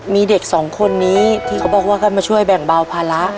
มีเด็กสองคนนี้ที่เขาบอกว่าก็มาช่วยแบ่งเบาภาระ